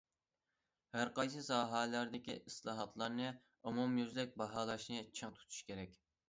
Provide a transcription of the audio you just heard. ھەرقايسى ساھەلەردىكى ئىسلاھاتلارنى ئومۇميۈزلۈك باھالاشنى چىڭ تۇتۇش كېرەك.